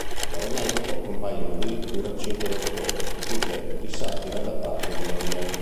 Nell"'Amore medico" compaiono addirittura cinque dottori, tutti oggetto di satira da parte di Molière.